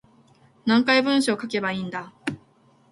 何回文章書けばいいんだ